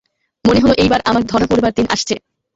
মনে হল, এইবার আমার ধরা পড়বার দিন আসছে।